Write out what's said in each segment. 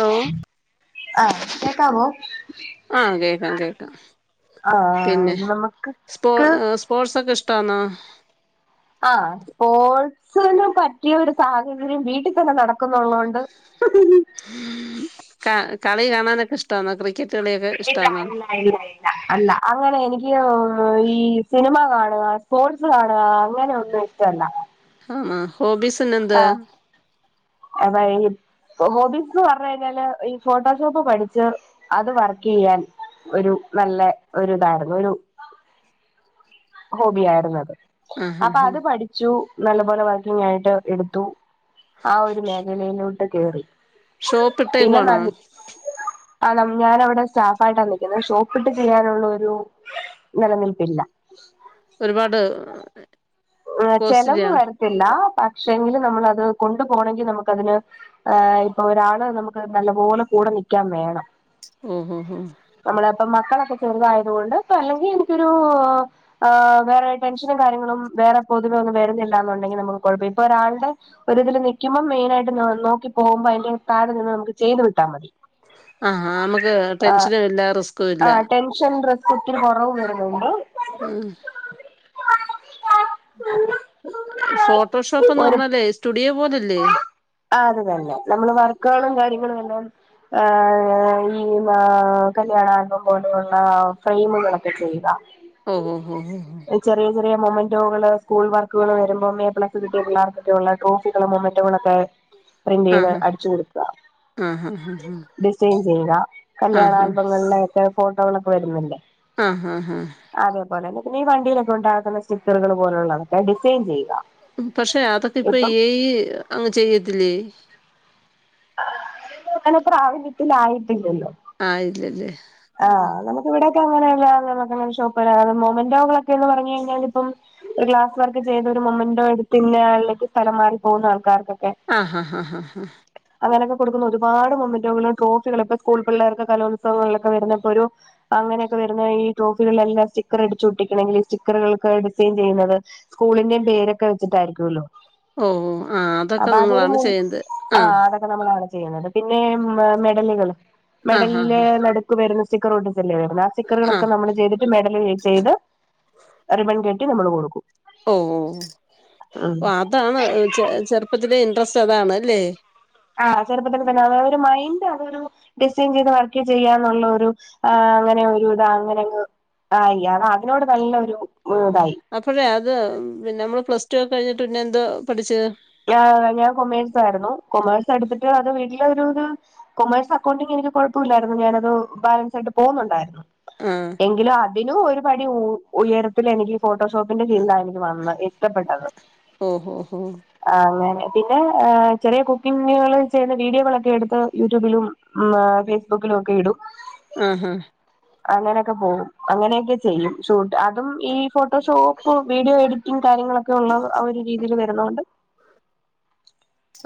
Hello ആഹ് കേക്കാവോ ആഹ് കേക്കാം കേക്കാം ആഹ് പിന്നെ നമുക്ക് സ്പോ ക്ക് സ്പോർട്സ് ഒകെ ഇഷ്ടാന്നോ? ആ സ്പോർട്സ്ന് പറ്റിയ ഒരു സാഹചര്യം വീട്ടിൽ തന്നെ നടക്കുന്നുള്ളത കൊണ്ട് [inaudible] ക കളി കാണാനൊക്കെ ഇഷ്ടമാണോ [unintelligible] ഇല്ല ഇല്ല ഇല്ല ഇ ല്ല അല്ല അങ്ങനെ എനിക്ക് ഈ സിനിമ കാണുക സ്പോർട്സ് കാണുക അങ്ങനെ ഒന്ന് [unintelligible] ഹാന്നാ ഹോബീസ് ആഹ് അതായി ഹോബീസ്ന്ന് പറഞ് കഴിഞ്ഞാല് ഈ ഫോട്ടോഷോപ്പ് പഠിച്ച് അത് വർക്ക് ചെയ്യാൻ ഒരു നല്ല ഒരു ഇതായിരുന്നു ഒരു ഹോബി ആയിര്ന്നു അത് ആഹ് അപ്പൊ ആഹ് അത് പഠിച്ചു നല്ലപോലെ വർക്കിംഗ് ആയിട്ട് എടുത്തു ആ ഒരു മേഖലയിലോട്ട് കേറി ഷോപ്പ് പിന്നെ ഇട്ടേക്കുവാണോ നല്ല ആ ന്നമ് ഞാനവിടെ സ്റ്റാഫായിട്ടാ നിക്കുന്നത് ഷോപ്പിട്ട് ചെയ്യാനുള്ളോരു നില നിൽപ്പില്ല പാട് ചെലവ് വരത്തില്ല പക്ഷെങ്കില് നമ്മള് അത് കൊണ്ടു പോണങ്കി നമുക്ക അതിന് ഏഹ് ഇപ്പൊ ഒരാള് നമ്മക്ക് നല്ല പോലെ കൂടെ നിക്കാൻ വേണം മ് മ് മ് നമ്മളെ ഇപ്പം മക്കളൊക്കെ ചെറുതായത് കൊണ്ട് ഇപ്പ അല്ലെങ്കി ഇൻക്കൊരു ആഹ് വേറെ ടെൻഷനും കാര്യങ്ങളും വേറെ പൊതുവെ ഒന്നും വരുന്നില്ല എന്നുണ്ടെങ്കിൽ നമുക്ക് കുഴപ്പല്ല ഇപ്പൊ ഒരാളുടെ ഒരിതില് നിക്കുമ്പോ മെയിനായിട്ട് നോക്കി പോകുമ്പോ അയ്ന്റെ താഴെ നിന്ന് നമുക്ക് ചെയ്ത് വിട്ടാ മതി ആഹ് അമ്മക്ക് ടെൻഷനുംല്ല റിസ്കുല്ല [unintelligible] കൊറവ് വരുന്നുണ്ട് ഉം ഫോട്ടോഷോപ്പ്ന്ന് പർഞാലേ സ്റ്റുഡിയോ പോലല്ലേ? ആഹ് അത്ത്തന്നെ നമ്മള് വർക്കാളും കാര്യങ്ങളും [unintelligible] ഏഹ് ഈ ങ്ങാ കല്യാണ ആൽബം പോലെയുള്ള ഫ്രെയിമുള് ചെയ്യ്ക ഓഹോ ഹോ ചെറിയ ചെറിയ മൊമന്റോകള് സ്കൂൾ വർക്കുകൾ വരുമ്പോം എ പ്ലസ് കിട്ടിയ പിള്ളാർക്കോക്കെ ഉള്ളെ ട്രോഫി മോമറ്റ്കളൊക്കെ പ്രിന്റ്യ്ത് ഓഹ് അടിച്ച്‌ കൊടുക്ക ആഹ് ആഹ് ആഹ് ഡിസൈൻ ചെയ്യുക കല്യാണ ആഹ് ആഹ് ആൽബങ്ങളിലൊക്കെ ഫോട്ടോകളൊക്കെ വരുന്നില്ലേ ഹാ ഹാ ഹാ അതേപോലെന്നെ പിന്നെ ഈ വണ്ടിലൊക്കെ ഉണ്ടാക്കുന്ന സ്റ്റിക്കറുകൾ പോലുള്ളതൊക്കെ ഡിസൈൻ ചെയ്യുക. പക്ഷെ അതൊക്കെ ഇപ്പ ഇപ്പം ഏ ഐ അങ്ങ് ചെയ്യത്തില്ലേ? [unintelligible] ആയിട്ടില്ലല്ലോ? ആയില്ലല്ലേ ആഹ് ഇവടെക്കെ അങ്ങനെല്ല [unintelligible] മൊമന്റോകളൊക്കെന്ന് പർഞ്ഞ കഴിഞ്ഞാൽ ഇപ്പം ഒരു ക്ലാസ് വർക്ക് ചെയ്ത ഒരു മൊമെന്റോ എടുത്തിന്ന ആളിലേക്ക് സ്ഥലം മാറി പോകുന്ന ആൾക്കാർക്കൊക്കെ ആഹ് ഹാ ഹാ അങ്ങനൊക്കെ കൊടുക്കുന്ന ഒരുപാട് മൊമന്റുകളും ട്രോഫികളും ഇപ്പോ സ്കൂൾ പിള്ളേർക്ക് കലോത്സവങ്ങളിലൊക്കെ വരുന്ന പ്പൊ ഒരു അങ്ങനെക്കെ വരുന്ന ഈ ട്രോഫികളിലെല്ലാം സ്റ്റിക്കറ് അടിച്ച് ഒട്ടിക്കണെങ്കില് ഈ സ്റ്റിക്കറ്കൾക് ഡിസൈൻ ചെയ്യുന്നത് സ്കൂളിന്റെ പേരൊക്കെ വെച്ചിട്ടായിരിക്കുല്ലോ ഓ ആഹ് അതൊക്കെ നിങ്ങളാണ് മൂ ചെയ്യെണ്ടത് ആഹ് അതൊക്കെ നമ്മളാണ് ചെയ്യ്ണത് പിന്നെ മെഡലുകള് ആഹ് ആഹ് മെഡൽല്ലേ ആഹ് മേ ക് വെരുന്ന് സ്റ്റിക്കറോട്ടിചെല്ലേ വെര്ന്നേ ആസ്റ്റിക്കറുകളോക്കെ ആഹ് നമ്മള് ചെയ് മെഡല് ചെയ്ത് റിബൺ കെട്ടി നമ്മള് കൊടുക്കും ഉം ഓഹ് അതാണ് ചെറുപ്പത്തിലെ ഇൻട്രസ്റ്റ് അതാണ്ല്ലേ ആഹ് ചെറുപ്പത്തില് തന്നെ അവ ഒരു മൈന്റ് ആഹ് ഒരു ഡിസൈൻ ചെയ്ത് വർക്ക് ചെയ്യാന്നുള്ള ഒരു അങ്ങനെ ഒരു ഇതാ അങ്ങനെ അങ്ങ് ആയി ആഹ് അതിനോട് നല്ലൊരു ഇതായി അപ്പോഴേ അത് പിന്നെ നമ്മള് പ്ലസ് ടു ഒക്കെ കഴിഞ്ഞിട്ട് പിന്നെ എന്തോ പഠിച്ചെ? ഞാ ഞാൻ കൊമേഴ്സ് ആയിര്ന്നു കൊമേഴ്സ് എട്ത്തിട്ട് അത് വീട്ടിലെ ഒരുത് കൊമേഴ്സ് അക്കൗണ്ടിംഗ് എനിക്ക് കോഴപ്പല്ലായിരുന്നു ഞാനത് ബാലൻസ് ആയിട്ട് പോവുന്നുണ്ടായിരുന്നു ആഹ് എങ്കിലും അതിനും ഒരുപടി ഉയരത്തിലാ എനിക്ക് ഫോട്ടോഷോപ്പിന്റെ ചിന്താ എനിക്ക് വന്ന ഇഷ്ടപ്പെട്ടത് ഓഹോ ഹോ ആഹ് അങ്ങനെ പിന്നെ ചെറിയ കുക്കിംഗുകള് ചെയ്യുന്ന വീഡിയോകളൊക്കെ എടുത്ത് യൂട്യൂബിലും മാ ഫേസ്ബുക്കിലൊക്കെ ഇടും ആഹ അങ്ങനെയൊക്കെ പോവും അങ്ങനെയൊക്കെ ചെയ്യും ഷൂട്ട് അതും ഈ ഫോട്ടോഷോപ്പ് വീഡിയോ എഡി ഈ കാര്യങ്ങളൊക്കെ ഉള്ള ആ ഒരു രീതിയിൽ വരുന്നോണ്ട്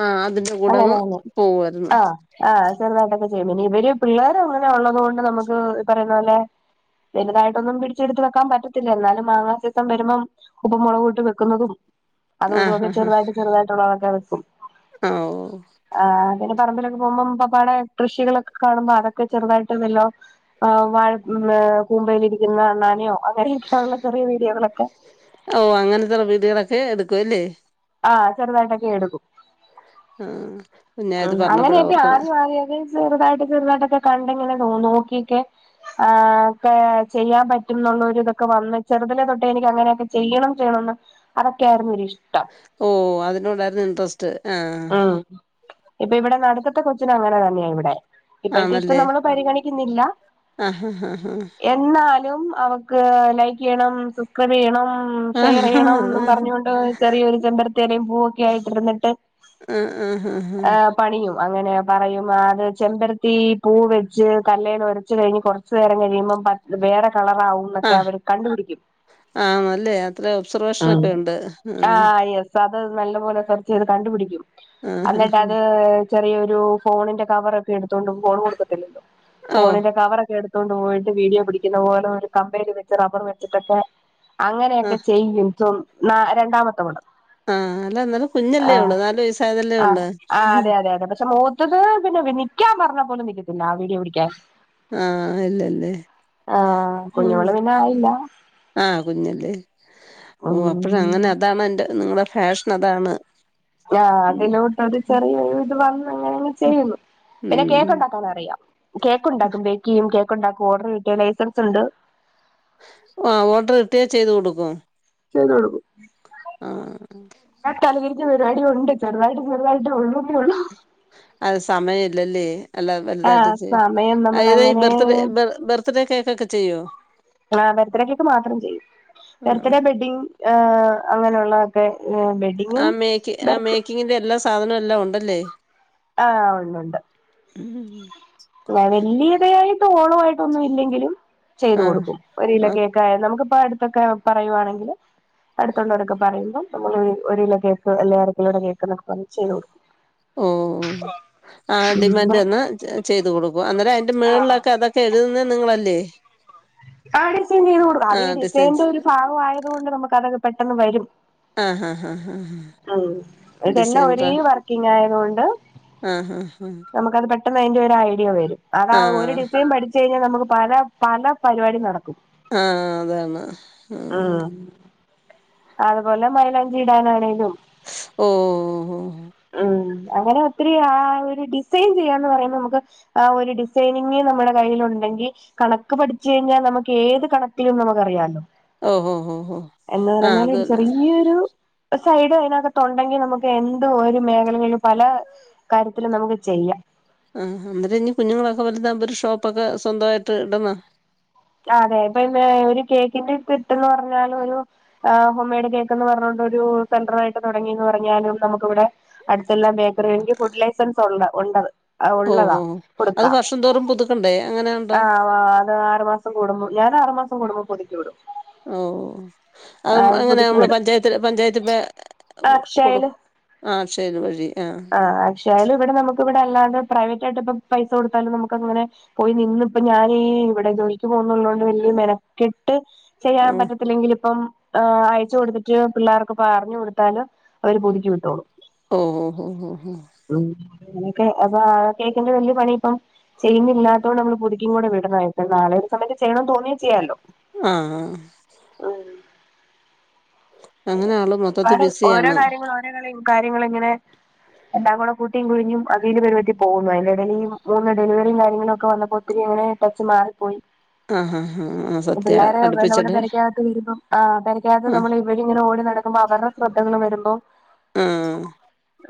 ആഹ് അതിന്റെ കൂടങ്ങ് അങ്ങനെയാണ് പോവായിര്ന്ന് ആഹ് ആഹ് ചെറുതായിട്ടൊക്കെ ചെയ്യും പിന്നി ഇവര് പിള്ളേർ അങ്ങനെ ഉള്ളത് കൊണ്ട് നമ്മക്ക് ഈ പറയുന്ന പോലെ വലുതായിട്ടൊന്നും പിടിച്ചെടുത്ത് വെക്കാൻ പറ്റത്തില്ല എന്നാലും മാങ്ങാ സീസൺ വരുമ്പം ഉപ്പും മുളക് ഇട്ട് വെക്കുന്നതും അതു ഇതു ആഹ് ഒക്കെ ചെറുതായിട്ട് ചെറുതായിട്ടുള്ളതൊക്കെ വെക്കും ഓഹ് ആഹ് പിന്നെ പറമ്പിലൊക്കെ പോകുമ്പോ പപ്പാടെ കൃഷികളൊക്കെ കാണുമ്പോ അതൊക്കെ ചെറുതായിട്ട്ന്നല്ലോ ആഹ് വാഴ കൂമ്പയിലിരിക്ക്‌ന്ന അണ്ണാനയോ അങ്ങനെയൊക്കെള്ള ചെറിയ വീഡിയോകളൊക്കെ ഓഹ് അങ്ങനത്തെ വീടുകളൊക്കെ എടുക്കും അല്ലേ ആഹ് ചെറുതായിട്ടൊക്കെ എടുക്കും ആഹ് ഞാൻ ഇത് ഉം പറഞ്ഞപ്പഴാ അങ്ങനെയൊക്കെ ഓർക്കുന്നെ ആദ്യം ആദ്യ ആദ്യ അത് ചെറുതായിട്ട് ചെറുതായിട്ടൊക്കെ കണ്ടെങ്ങനെ നോക്കിയൊക്കെ ആഹ് ഒക്കെ ചെയ്യാൻ പറ്റുംന്നുള്ള ഒര് ഇതൊക്കെ വന്ന് ചെറുതലെ തൊട്ടേ എനിക്ക് അങ്ങനെയൊക്കെ ചെയ്യണം ചെയ്യണംന്ന് അതൊക്കെയായിര്ന്ന് ഒരി ഇഷ്ടം ഓഹ് അതിനോടായിര്ന്ന് ഇൻട്രസ്റ്റ് ആഹ് ഇപ്പോ ഇവിടെ നടുക്കത്തെ കൊച്ചിനും അങ്ങനെ തന്നെയ ഇവിടെ ഇപ്പഴത്തെ ഇഷ്ടം ആണല്ലേ നമ്മൾ പരിഗണിക്കിന്നില്ല ആഹാഹാഹാ. എഹ് എന്നാലും അവക്ക് ലൈക്ക് ചെയ്യണം സബ്സ്ക്രൈബ് ചെയ്യണം ഉം ആ ഷെയറയ്യണംന്നും പറഞ്ഞൊണ്ട് ചെറിയൊരു ചെമ്പരത്തി എലയും പൂവൊക്കെ ആയിട്ടിരുന്നിട്ട് ആഹ് ആഹ് ആഹ് ആഹ് ഏഹ് പണിയും അങ്ങനെ പറയും അത് ചെമ്പരത്തി പൂ വെച്ച് കല്ലേൽ ഒരച്ച് കഴിഞ്ഞ് കോർ ച്ച് നേരം കഴിയുമ്പം പ വേറെ ആ കളറാവുന്നൊക്കെ അവര് കണ്ടുപിടിക്കിയും ആണല്ലേ അത്ര ഒബ്സർവേഷനൊക്കെ ഉണ്ട്. ആഹ് യെസ് അത് നല്ല പോലെ സെർച്ചെയ്ത് കണ്ടുപിടിക്കി യും ആ അന്നിട്ട് ആഹാഹാ. അത് ചെറിയൊരു ഫോണിന്റെ കവറോക്കെ എടുത്തൊണ്ടും ഫോൺ കൊടുക്കത്തില്ലല്ലോ ഓ! ഫോണിന്റെ കവറൊക്കെ എടുത്തൊണ്ട് പോയിട്ട് വീഡിയോ പിടിക്കിന്ന പോലെ ഒരു കമ്പേൽ വെച്ച് റബ്ബർ വെച്ചിട്ടൊക്കെ ആ അങ്ങനെയൊക്കെ ചെയ്യും സോ ന്നാ രണ്ടാമാത്തവള് ആഹ് അല്ല ന്നാലും കുഞ്ഞല്ലേ അവൾ നാല് വയസ് ആഹ് ആഹ് അതെ അതെ അതെ പക്ഷെ മൂത്തത് പിന്നെ നിക്കിയാൻ പറഞ്ഞ പോലും നിക്കത്തില്ല ആ വീഡിയോ പിടിക്കാൻ ആഹ് ഇല്ലല്ലേ ആഹ് ഉം കുഞ്ഞോള് പിന്നെ ആയില്ല ആഹ് കുഞ്ഞല്ലേ ഓഹ് അപ്പഴ ഉം അങ്ങനെ അതാണ് എന്റെ നിങ്ങളടെ ഫാഷൻ അതാണ് ആഹ് ഉം. അതിലോട്ട് ഒര് ഉം. ചെറിയ ഇത് വന്നങ്ങനെങ്ങ് ഉം. ചെയ്യുന്നു പിന്നെ കേക്ക്‌ ഉം. ഉണ്ടാ ക്കാനറിയാം കേക്ക് ഉണ്ടാക്കും ബേക്ക് ചെയ്യും കേക്ക് ഉണ്ടാക്കും ഓർഡർ കിട്ടിയ ലൈസൻസുണ്ട് ആഹ് ഓർഡർ കിട്ടിയ ചെയ്തു കൊടുക്കും ചെയ്ത് കൊടുക്കും ആ. എല്ലാ തലതിരിഞ്ഞ പരിവാടി ഒണ്ട് ചെറുതായിട്ട് ചെറുതായിട്ട് ഒള്ളു ന്ന്ള്ളൂ അത് സമയം ഇല്ലല്ലേ അല്ല വലുതായിട്ട് ആഹ് സമയം നമ്മൾ ചെയോ അങ്ങനെ ബർത്ത്ഡേ ബർത്ത്ഡേ കേക്ക് ഒക്കെ ചെയ്യോ ആഹ് ബെർത്ത്ഡേ കേക്ക് മാത്രം ചെയ്യും ആ. ബെർത്ത്ഡേ വെഡിങ് ആഹ് അങ്ങനെയുള്ളതൊക്കെ ചെയ്യും ആഹ് മെക്കി മേക്കിങ്ങിന്റെ എല്ലാ സാധനവും എല്ലാം ഉണ്ടല്ലേ ആഹ് ഉണ്ട് ഉണ്ട് ഉം വലിയതായിട്ട് ഓളം ആയിട്ടൊന്നും ഇല്ലെങ്കിലും ചെയ്തു ആഹ് കൊടുക്കും ഒരു കിലോ ആ കേക്ക് ആയ നമുക്കിപ്പോ അടുത്തൊക്കെ പറയുവാണെങ്കിൽ അടുത്തുള്ളവരൊക്കെ പറയുമ്പോൾ നമ്മൾ ഒരു കിലോ കേക്ക് അല്ലെങ്കി അര കിലോടെ കേക്ക് എന്നൊക്കെ പറഞ്ഞാൽ ചെയ്ത് കൊടുക്കും ഓ ആ ഡിമാൻ്റ് വന്ന ചെയ്ത് കൊടുക്കും അന്നേരം അതിൻന്റെ മുകളിലൊക്കെ എഴുതുന്നത് നിങ്ങളല്ലേ ആ ഡിസൈൻ ചെയ്തു കൊടുക്കാം ആ ഈ ഡിസൈന്റെ ഒരു ഭാഗം ആയത് കൊണ്ട് നമുക്ക് അതൊക്കെ പെട്ടെന്ന് വരും ആ ഹാ ഹാ ഇതെല്ലാം ഒരേ വർക്കിങ്ങ് ആയത് കൊണ്ട് ആഹ് ആഹ് നമുക്കത് പെട്ട ട്ടന്ന് അതിന്റെ ഒരു ഐഡിയ വരും അതാ ആഹ് ഒരു ആഹ് ഡിസൈൻ പഠിച്ചു കഴിഞ്ഞാൽ നമുക്ക് പല പല പരിപാടി നടക്കും ആ അതന്നെ ഉം അതുപോലെ മൈലാഞ്ചി ഇടാനാണേലും ഓ ഓ ഉം അങ്ങനെ ഒത്തിരി ആ ഒരു ഡിസൈൻ ചെയ്യാന്ന് പറയുമ്പോ നമുക്ക് ആ ഒരു ഡിസൈനിങ് നമ്മുടെ കയ്യിൽ ഉണ്ടെങ്കിൽ കണക്ക് പഠിച്ചു കഴിഞ്ഞാൽ നമുക്ക് ഏത് കണക്കിലും നമുക്ക് അറിയാല്ലോ ഓ ഹോ ഹോ ആ അതന്നെ ഈ ഒരു സൈഡ് അതിനക്കത് ഉണ്ടെങ്കി നമുക്ക് ഏന്ത് ഒരു മേഖലകളിലും പല കാര്യത്തിൽ നമുക്ക് ചെയ്യാം ആ അന്നേര ഇനി കുഞ്ഞുങ്ങളൊക്കെ വലുത് ആവുമ്പോ ഒരു ഷോപ്പൊക്കെ സ്വന്തമായിട്ട് ഇടാനാ അതെ ഇപ്പൊ ഒരു കേക്കിന്റെ കിട്ടണം എന്ന് പറഞ്ഞാൽ ഒരു ആ ഹോംമെയ്ഡ് കേക്ക് എന്ന് പറഞ്ഞോണ്ട് ഒരു സെൻ്റർ ആയിട്ട് തുടങ്ങി എന്ന് പറഞ്ഞാലും നമുക്കിവിടെ അടുത്തെല്ലാം ബേക്കറിക്ക് കൊടുക്കാൻ ഫുഡ് ലൈസൻസ് ഉണ്ട് ഓ ഉള്ളതാ ഓ അത് കൊടുക്കാം വർഷം തോറും പുതുക്കണ്ടേ അങ്ങനെ ഉണ്ടോ ആറ് മാസം കൂടുമ്പോ ഞൻ ആറുമാം കൂടുമ്പോൾ പുതുക്കി വിടും ഓ അത് ആഹ് അങ്ങനെ പുതുക്കി നമ്മള് വിടും പഞ്ചായത് പഞ്ചായത്തിൻ്റെ അക്ഷയയില് ആ അക്ഷയ വഴി ആഹ ഞാനും ഇവിടെ നമുക്ക് ഇവിടെ അല്ലാതെ പ്രൈവറ്റ് ആയിട്ട ഇപ്പൊ പൈസ കൊടുത്താലും നമുക്ക് അങ്ങനെ പോയി നിന്ന ഇപ്പൊ ഞാനും ഈ ഇവിടെ ജോലിക്ക് പോകുന്നുള്ളതോണ്ട് വലിയ മെനക്കെട്ട് ആ ചെയ്യാൻ പറ്റത്തില്ലെങ്കിൽ ഇപ്പൊ ആഹ് അയച്ച കൊടുത്തിട്ട് പിള്ളേർക്ക് പറഞ്ഞു കൊടുത്താല് അവര് പുതുക്കി വിട്ടോളു ഓ ഹോ ഹോ ഉം അങ്ങനെയൊക്കെ കേക്കിന്റെ വലിയ പണി ഇപ്പം ചെയ്യുന്നത് ഇല്ലാത്തത് കൊണ്ട് നമ്മൾ ചെയ്യുന്നില്ലാത്തതോണ്ട് നമ്മൾപുതുക്കി കൂടെ വിടുന്നതായിപ്പോ നാളെ ഒരു സമയത്ത് ചെയ്യണംന്ന് തോന്നിയ ചെയ്യാാലോ ആഹ ആ അങ്ങനെ ആള് മൊത്തത്തി ഓരോ ബിസിയാണ് കാര്യങ്ങൾ ഓരോ കാര്യങ്ങൾ ഇങ്ങനെ എല്ലാംകൂടെ കൂട്ടിയും കുഴഞ്ഞും അവതിയില് പരു പറ്റി പോകുന്നു അതിന്റെ ടയില് മൂന്ന് ഡെലിവറിയും കാര്യങ്ങളൊക്കെ വന്നപ്പോൾ പിന്നെ ഇങ്ങനെ ടച്ച് മാറിപ്പോയി ആ ആ ആ ആ സത്യ പിള്ളേരെ നമ്മളെ അടുപ്പിച്ചിട്ട് പെരക്കകത്ത് വരുമ്പം ആ പെർക്കത്ത് ആ നമ്മള് അവരിങ്ങനെ ഓടി നടക്കുമ്പോ അവരുടെ ശ്രദ്ധകൾ വരുമ്പോ ആ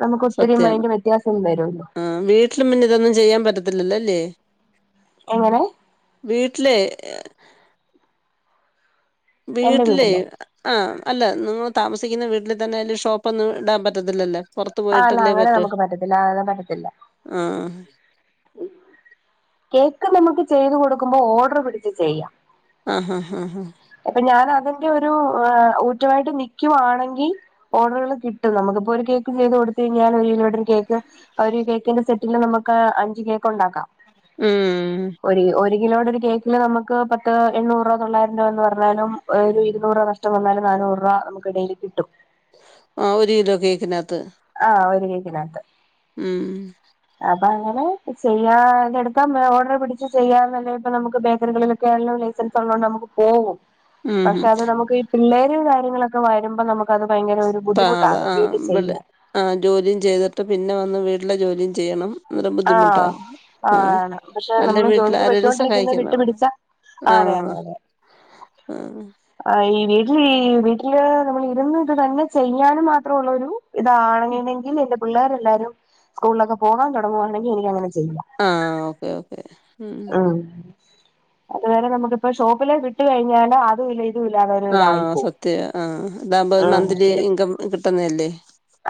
നമുക്ക് ഒത്തിരി സത്യാണ് മൈൻഡ് വ്യ ത്യാസം വരള്ളൂ ആ വീട്ടിലും പിന്നിതൊന്നും ചെയ്യാൻ പറ്റത്തില്ലല്ലോ അല്ലേ എങ്ങനെ വീട്ടിലേ എന്റെ വീട്ടിലേ വീട്ടിലോ ആഹ് അല്ല നിങ്ങള് താമസിക്കുന്ന വീട്ടില് തന്നെ അയില് ഷോപ്പൊന്നും ഇടാൻ പറ്റത്തില്ലല്ലേ പുറത്ത് ആഹ് അല്ല അങ്ങനെ നമുക്ക് പറ്റത്തില്ല ആഹ് അങ്ങനെ പറ്റത്തില്ല. ആഹ് ഉം കേക്ക് നമുക്ക് ചെയ്ത് കൊടുക്കുമ്പൊ ഓഡർ പിടിച്ച് ചെയ്യാ. ആഹഹാഹ അപ്പൊ ഞാൻ അതിന്റെയൊരു ഏഹ് ഊറ്റവായിട്ട് നിക്കുവാണെങ്കി ഓഡറുകൾ കിട്ടും നമുക്കിപ്പൊരു കേക്ക് ചെയ്ത് കൊടുത്ത് കയിഞ്ഞാൻ ഒരുകിലോടൊരു കേക്ക് ആ ഒരു കേക്കിന്റെ സെറ്റില് നമുക്ക് അഞ്ച് കേക്ക്ണ്ടാക്കാം. ഉം ഒരു ഒരു കിലോടൊരു കേക്കില് നമുക്ക് പത്ത് എണ്ണൂറ് രൂപ തൊള്ളായിരം രൂപന്ന് പറഞ്ഞാലും ഒരു ഇരുന്നൂറ് രൂപ നഷ്ടംവന്നാലും നാന്നൂറ് രൂപ നമുക്ക് ഡെയിലി കിട്ടും ആഹ് ഒരു കിലോ കേക്കിനകത്ത് ആഹ് ഒരു കേക്കിനകത്ത് ഉം അപ്പങ്ങനെ ചെയ്യാ ഇതെടുക്കാം ഓഡർ പിടിച്ചു ചെയ്യാന്ന്ണ്ടേപ്പം നമുക്ക് ബേക്കറികളിൽ ക്കാനുള്ള ലൈസൻസുള്ളോണ്ട് നമുക്ക് പോകും ഉം പക്ഷെ അത് നമുക്ക് ഈ പിള്ളേരും കാര്യങ്ങളൊക്കെ വരുമ്പം നമു ക്കത് ഭയങ്കരൊര് ബുദ്ധിമുട്ടാ അത് വീട്ടി ചെയ്യാൻ. ആഹ് ജോലിയും ചെയ്തിട്ട് പിന്നെ വന്ന് വീട്ടിലെ ജോലിയും ചെയ്യണം. അന്നേരം ബുദ്ധിമുട്ടാ ആഹ് ആ ആണാണ് പക്ഷെ അല്ല നമ്മള് വീട്ടിൽ ജോലിക്ക് ആരേലും പോയ്ക്കോണ്ടിരിക്കുന്നത് വിട്ടു സഹായിക്കണം പിടിച്ചാ അതെയതെയതെ ആഹ് ആഹ് ഈ വീട്ടില് ഈ വീട്ടില് നമ്മളിരുന്ന് ഇത് തന്നെ ചെയ്യാനും മാത്ര ഉള്ളൊരു ഇതാണിര്ന്നെങ്കിൽ എന്റെ പിള്ളേരെല്ലാരും സ്കൂളിലൊക്കെ പോകാൻ തുടങ്ങുവാണെങ്കി എനിക്കങ്ങനെ ആഹ് ഓക്കെയോക്കേ ഉം അതുവരെ നമുക്കിപ്പൊ ഷോപ്പിലെ വിട്ട്കഴിഞ്ഞാണ്ട് അതും ഇല്ല ഇതും ഇല്ലാതെ ഒരു ഇതായി ആഹ് പോകും സത്യവാ ആഹ് ഇതാകുമ്പൊ ഒര് ഉം മന്ത്ലി ഇത് ഇൻകം കിട്ടുന്ന അല്ലേ.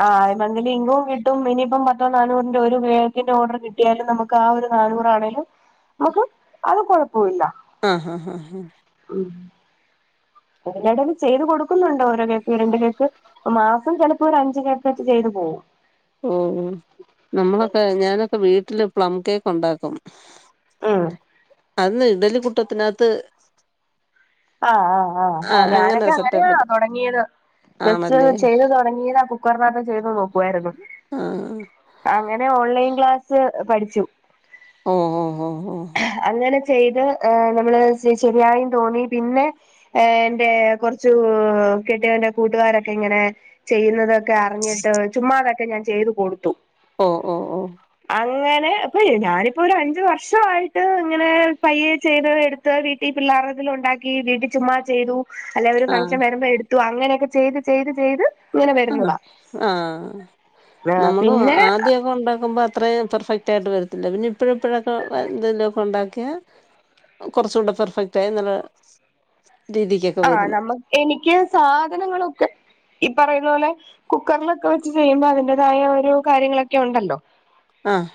ആഹ് മന്തിലി ഇൻകവും കിട്ടും ഇനിയിപ്പം പത്തോ നാനൂറിന്റെ ഒരു കേക്കിന്റോഡർ കിട്ടിയാലും നമു ക്കാ ഒരു നാനൂറാണെലും നമുക്ക് അത് കൊഴപ്പവില്ല. ആഹാഹാഹാ ഉം എടേലെടേല് ചെയ്ത് കൊടുക്കുന്നുണ്ട് ഓരോ കേക്ക് ഈരണ്ട് കേക്ക് ഇപ്പമാസം ചെലപ്പൊ ഒരഞ്ച് കേക്ക്വെച്ച് ചെയ്ത് പോവും ഓഹ് നമ്മളൊക്കെ ഞാനൊക്കെ വീട്ടില് പ്ലം കേക്കുണ്ടാക്കും. ഉം അത് ന്ന് ഇഡലികുട്ടത്തിനകത്ത് ആഹ് ആഹ് ആഹ് ആഹ് അങ്ങനെ ഞാനൊക്കെ അങ്ങനെയാ സെറ്റപ്പില് തൊടങ്ങിയത് ജസ്റ്റ് ആണല്ലേ ചെയ്ത് തൊടങ്ങിയതാ കു ക്കർനകത്ത് ചെയ്ത് നോക്കുവായിരുന്നു ആഹ് അങ്ങനെ ഓൺലൈൻ ക്ലാസ് പഠിച്ചു. ഓഹോ ഹോ ഹോ അങ്ങനെ ചെയ്ത് ഏഹ് നമ്മള് ശെ ശെരിയായീന്ന് തോന്നി പിന്നെ ഏഹ് എന്റെ കൊർച്ചു കെട്ടിയൊന്റെ കൂട്ടുകാരൊക്കെ ഇങ്ങനെ ചെയ്യുന്നത് ക്കെ അർഞ്ഞിട്ട് ചുമ്മാതൊക്കെ ഞാൻ ചെയ്ത് കൊടുത്തു. ഓഹ് ഓഹ് ഓഹ് അങ്ങനെ ഇപ്പൊ ഞാനിപ്പൊരഞ്ച് വർഷമായി ഇതു ഇങ്ങനെ പയ്യെ ചെയ്ത് എടുത്ത് വീട്ടിൽ പിള്ളേർതിൽ ഉണ്ടാക്കി വീട്ടിൽ ചുമ്മാ ചെയ്തു അല്ലെ ഒര് ആ ഫംഗ്ഷൻ വരുമ്പോ എടുത്തു അങ്ങനെയൊക്കെ ചെയ്ത് ചെയ്ത് ചെയ്ത് ഇങ്ങനെ ആഹ് വരുന്നതാ ആഹ് നമ്മള് പിന്നെ ആദ്യൊക്കെ ഉണ്ടാക്കുമ്പോ അത്രം പെർഫെക്റ്റ് ആയിട്ട് വരത്തില്ല പിന്നെ ഇപ്പഴും ഇപ്പോഴൊക്കെ എന്തെലുമൊക്കെ ഉണ്ടാക്കിയാ കുറച്ചൂടെ പെർഫെക്റ്റ് ആയി എന്നുള്ള രീതിക്ക് ആഹ് നമ്മ എനിക്ക് സാധനങ്ങളൊക്കെ ഈ പറയുന്ന പോലെ കുക്കറിലൊക്കെ വെച്ച് ചെയ്യുമ്പോ അതിന്റേതായ ഓരോ കാര്യങ്ങളൊക്കെ ഉണ്ടല്ലോ ആഹ്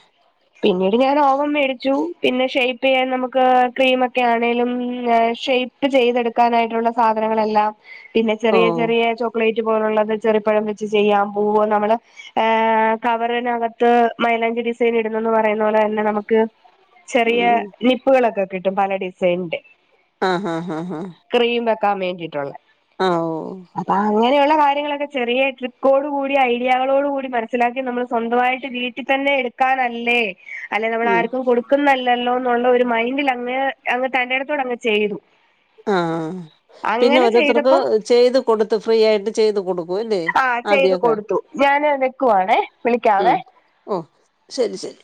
പിന്നീട് ഞാൻ ഓവൻ മേടിച്ചു പിന്നെ ഷെയ്പ് ചെയ്യാൻ നമുക്ക് ക്രീമൊക്കെ ആണെങ്കിലും ഷെ ചെയ്തെടുക്കാനായിട്ടുള്ള സാധനങ്ങളെല്ലാം പിന്നെ ഓ ചെറിയ ചെറിയ ചോക്ലേറ്റ് പോലുള്ളത് ചെറിപ്പഴം വെച്ച് ചെയ്യാൻ പോവോ നമ്മള് ഏഹ് കവറിനകത്ത് മൈലാഞ്ചി ഡിസൈൻ ഇടുന്നന്ന് പറയുന്ന പോലെ പിന്നെ നമുക്ക് ചെറിയ ഉം നിപ്പുകളൊക്കെ കിട്ടും പല ഡിസൈനിന്റെ ആഹ് ആഹ് ആഹ് ആഹ് ക്രീം വെക്കാൻ വേണ്ടിയിട്ടുള്ളേ ആഹ് ഓ അപ്പൊ അങ്ങനെയുള്ള കാര്യങ്ങളൊക്കെ ചെറിയ ട്രിക്കോട് കൂടി ഐഡിയകളോട് കൂടി മനസ്സിലാക്കി നമ്മൾ സ്വന്തമായിട്ട് ചെ ഇതി തന്നെ എടുക്കാനല്ലേ അല്ലെ ഉം നമ്മളാർക്കും കൊടുക്കുന്നില്ലല്ലോന്നുള്ള ഒരു മൈൻഡിലങ്ങ് അങ്ങ് തന്റേടത്തോടങ്ങ് ചെയ്തു ആഹ് പിന്നെ അങ്ങനെ ഓരോരുത്തർക്ക് ചെയ്തപ്പം ചെയ്ത് കൊടുത്ത് ഫ്രീ ആയിട്ട് ചെയ്ത് കൊടുക്കും അല്ലെ ആ ആദ്യം ചെയ്ത് കൊടുത്തു ഞാന് വെക്കുവാണേ ഉം വിളിക്കാവേ ഓ ശെരി ശെരി